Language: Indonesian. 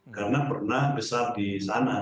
karena pernah besar di sana